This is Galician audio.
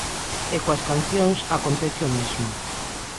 E coas cancións acontece o mesmo.